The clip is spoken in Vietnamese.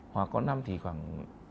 hoặc có năm thì khoảng